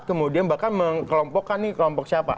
kemudian bahkan mengkelompokkan nih kelompok siapa